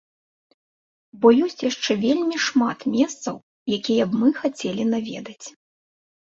Бо ёсць яшчэ вельмі шмат месцаў, якія б мы хацелі наведаць.